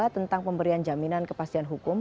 tentang pemberian jaminan kepastian hukum